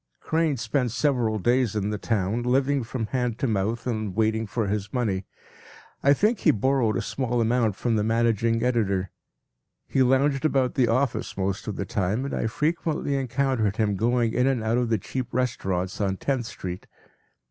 ” Crane spent several days in the town, living from hand to mouth and waiting for his money. I think he borrowed a small amount from the managing editor. He lounged about the office most of the time, and I frequently encountered him going in and out of the cheap restaurants on Tenth Street.